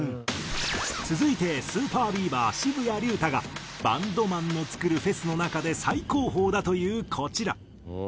続いてＳＵＰＥＲＢＥＡＶＥＲ渋谷龍太がバンドマンの作るフェスの中で最高峰だというこちら。